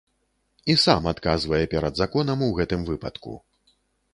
І сам адказвае перад законам у гэтым выпадку.